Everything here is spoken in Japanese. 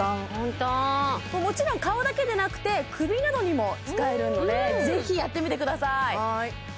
もちろん顔だけでなくて首などにも使えるのでぜひやってみてください